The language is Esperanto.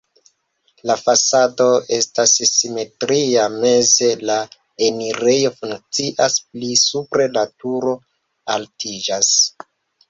La fasado estas simetria, meze la enirejo funkcias, pli supre la turo altiĝas.